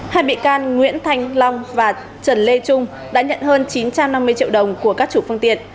hai bị can nguyễn thanh long và trần lê trung đã nhận hơn chín trăm năm mươi triệu đồng của các chủ phương tiện